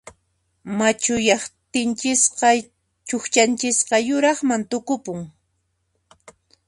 Machuyaqtinchisqa chuqchanchisqa yuraqman tukupun.